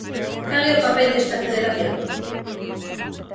Cal é o papel desta Federación?